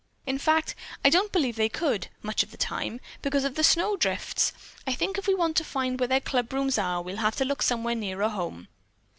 "In fact, I don't believe they could, much of the time, because of the snow drifts. I think if we want to find where their clubrooms are, we'll have to look somewhere nearer home."